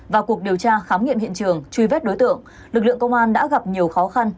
vào cuộc điều tra khám nghiệm hiện trường truy vết đối tượng lực lượng công an đã gặp nhiều khó khăn